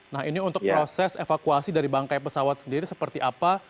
nah ini untuk proses evakuasi dari bangkai pesawat sendiri seperti apa